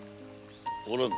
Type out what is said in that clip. おらぬ。